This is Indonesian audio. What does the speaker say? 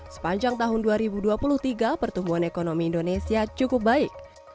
sepanjang tahun dua ribu dua puluh tiga pertumbuhan ekonomi indonesia cukup baik